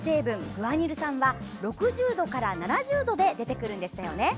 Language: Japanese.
グアニル酸は６０度から７０度で出てくるんでしたよね。